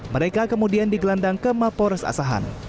mereka kemudian digelandang ke mapores asahan